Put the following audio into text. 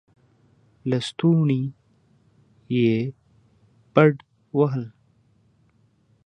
لستوڼې يې بډ ووهل.